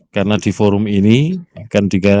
karena di forum ini